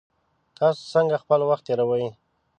تاسو څنګه خپل وخت تیروئ؟